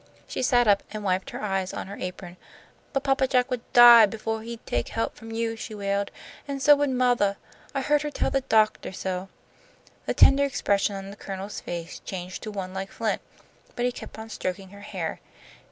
She sat up and wiped her eyes on her apron. "But Papa Jack would die befo' he'd take help from you," she wailed. "An' so would mothah. I heard her tell the doctah so." The tender expression on the Colonel's face changed to one like flint, but he kept on stroking her hair.